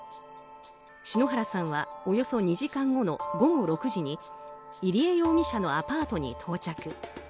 篠原さんはおよそ２時間後の午後６時に入江容疑者のアパートに到着。